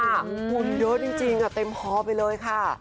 หุ่นเยอะจริงเต็มคอไปเลยค่ะ